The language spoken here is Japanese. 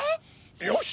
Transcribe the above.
よし！